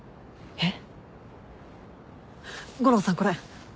えっ？